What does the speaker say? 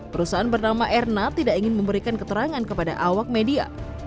perusahaan bernama erna tidak ingin memberikan keterangan kepada awak media